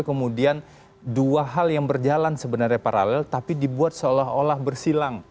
kemudian dua hal yang berjalan sebenarnya paralel tapi dibuat seolah olah bersilang